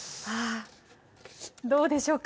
どうでしょうか。